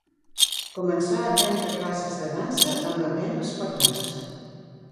Començà a prendre classes de dansa amb a penes quatre anys.